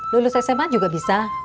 lulus sma juga bisa